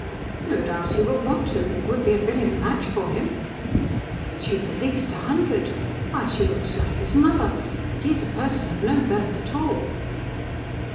"No doubt he will want to. It would be a brilliant match for him." "But she's at least a hundred. Why, she looks like his mother. And he is a person of no birth at all."